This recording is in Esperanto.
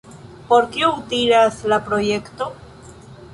Por kio utilas la projekto?